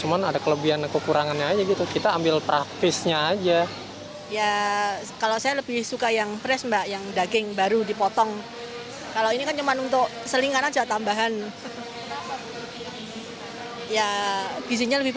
untuk selingkan saja tambahan ya gizinya lebih banyak yang fresh mbak